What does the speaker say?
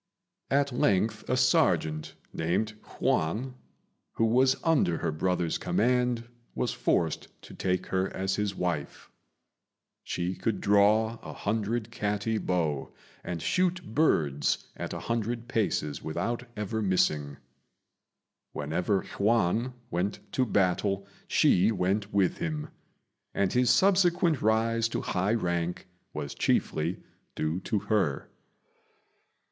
At length a serjeant, named Yüan, who was under her brother's command, was forced to take her as his wife. She could draw a hundred catty bow, and shoot birds at a hundred paces without ever missing. Whenever Yüan went to battle she went with him; and his subsequent rise to high rank was chiefly due to her.